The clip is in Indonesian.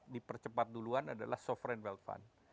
di percepat duluan adalah sovereign wealth fund